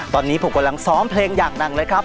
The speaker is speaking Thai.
ตอนนี้ผมกำลังซ้อมเพลงอย่างหนักเลยครับ